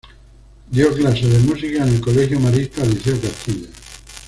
Dio clases de música en el colegio marista Liceo Castilla.